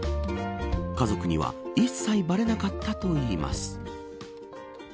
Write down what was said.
家族には一切ばれなかったといいます。